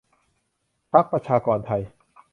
พรรคประชากรไทย